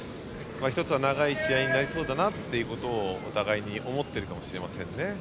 １つは長い試合になりそうだなということをお互いに思っているかもしれませんね。